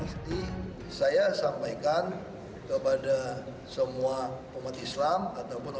tidak ada maksud saya melingkirkan agama islam dalam dunia